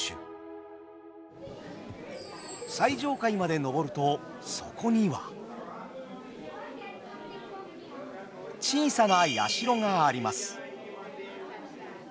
最上階まで上るとそこには小さな社があります。